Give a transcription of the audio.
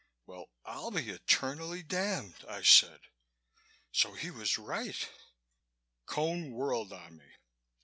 "Well, I'll be eternally damned!" I said. "So he was right " Cone whirled on me.